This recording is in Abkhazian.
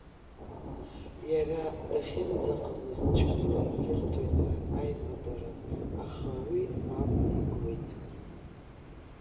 Иара дахьынӡаҟамыз ҷкәынак ирҭоит аимадара, аха уи мап икуеит.